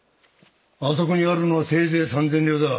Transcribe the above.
あそこにあるのはせいぜい３，０００両だ。